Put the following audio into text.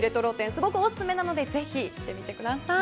すごくオススメなのでぜひ、行ってみてください。